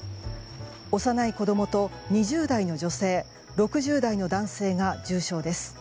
幼い子供と２０代の女性６０代の男性が重傷です。